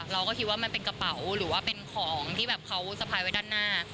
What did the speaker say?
เราก็คิดว่ามันเป็นกระเป๋าหรือว่าเป็นของที่แบบเขาสะพายไว้ด้านหน้า